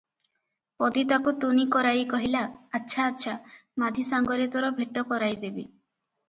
ପଦୀ ତାକୁ ତୁନି କରାଇ କହିଲା, "ଆଚ୍ଛା ଆଚ୍ଛା, ମାଧୀ ସାଙ୍ଗରେ ତୋର ଭେଟ କରାଇ ଦେବି ।"